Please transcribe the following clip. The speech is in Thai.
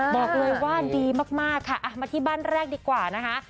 บอกเลยว่าดีมากค่ะมาที่บ้านแรกดีกว่านะคะ